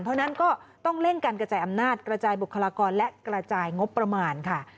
เพราะฉะนั้นก็ต้องเร่งการกระจายอำนาจกระจายบุคลากรและกระจายงบประมาณค่ะ